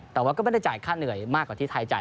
แต่ว่าก็ไม่ได้จ่ายค่าเหนื่อยมากกว่าที่ไทยจ่าย